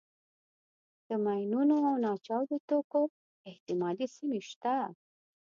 د ماینونو او ناچاودو توکو احتمالي سیمې شته.